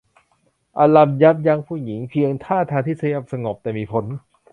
อัลลันยับยั้งผู้หญิงเพียงท่าทางที่เงียบสงบ แต่มีผล